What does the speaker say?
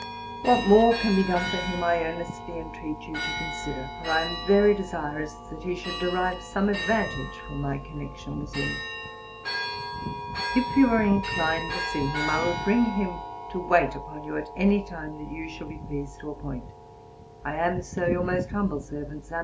What more can be done for him I earnestly entreat you to consider; for I am very desirous that he should derive some advantage from my connection with him. If you are inclined to see him, I will bring him to wait on you, at any time that you shall be pleased to appoint. I am, Sir, Your most humble servant, SAM.